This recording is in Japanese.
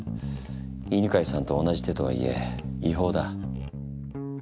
犬飼さんと同じ手とはいえ違法だ。